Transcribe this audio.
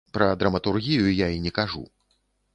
Пра драматургію я і не кажу.